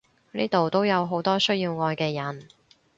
呢度都有好多需要愛嘅人！